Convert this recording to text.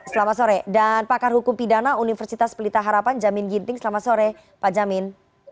selamat sore dan pakar hukum pidana universitas pelita harapan jamin ginting selamat sore pak jamin